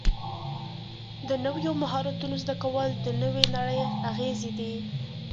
د نویو مهارتونو زده کول د نوې نړۍ اغېزې دي.